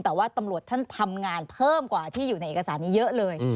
แต่ว่าตำรวจท่านทำงานเพิ่มกว่าที่อยู่ในเอกสารนี้เยอะเลย